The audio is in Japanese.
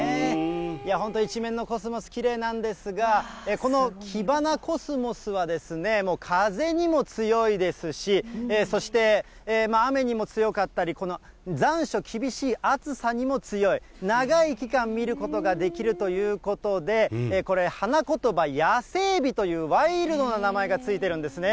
いや本当に一面のコスモス、きれいなんですが、このキバナコスモスはですね、もう風にも強いですし、そして、雨にも強かったり、この残暑厳しい暑さにも強い、長い期間見ることができるということで、これ、花言葉、野生美というワイルドな名前が付いてるんですね。